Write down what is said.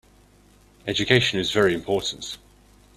Education is very important.